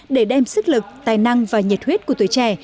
để đem sức lực tài năng và nhiệt huyết của tuổi trẻ